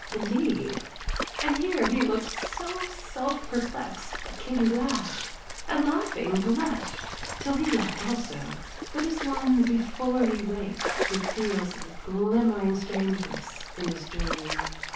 'Indeed!' and here he look'd so self perplext, That Katie laugh'd, and laughing blush'd, till he Laugh'd also, but as one before he wakes, Who feels a glimmering strangeness in his dream.